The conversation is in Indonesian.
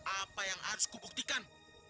apa yang harus kubuktikan